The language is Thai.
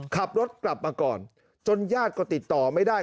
ขับรถกลับมาก่อนจนญาติก็ติดต่อไม่ได้